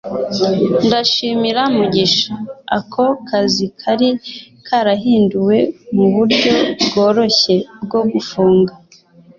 Ndashimira Mugisha, ako kazi kari karahinduwe muburyo bworoshye bwo gufunga.